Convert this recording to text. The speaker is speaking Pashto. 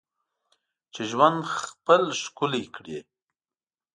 چې ژوند خپل ښکلی کړې.